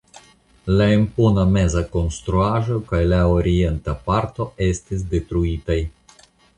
La impona meza konstruaĵo kaj la orienta parto estis detruitaj.